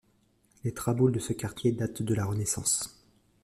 Les traboules de ce quartier datent de la Renaissance.